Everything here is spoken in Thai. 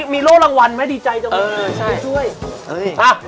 มีโลกรางวัลไหมดีใจจริง